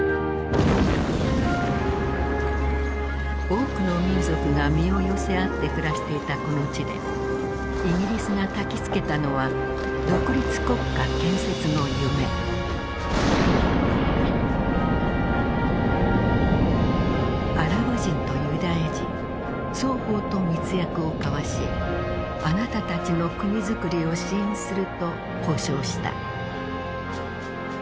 多くの民族が身を寄せ合って暮らしていたこの地でイギリスが焚きつけたのはアラブ人とユダヤ人双方と密約を交わしあなたたちの国づくりを支援すると保証した。